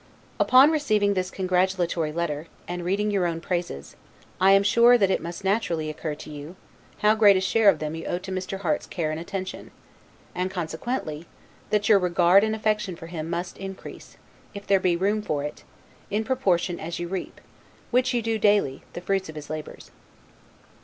Upon receiving this congratulatory letter, and reading your own praises, I am sure that it must naturally occur to you, how great a share of them you owe to Mr. Harte's care and attention; and, consequently, that your regard and affection for him must increase, if there be room for it, in proportion as you reap, which you do daily, the fruits of his labors.